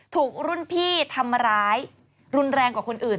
ถูกรุ่นพี่ทำร้ายรุนแรงกว่าคนอื่น